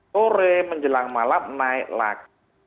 sore menjelang malam naik lagi